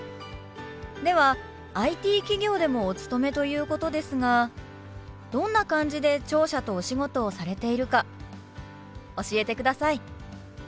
ではＩＴ企業でもお勤めということですがどんな感じで聴者とお仕事をされているか教えてください。